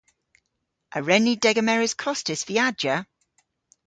A wren ni degemeres kostys viajya?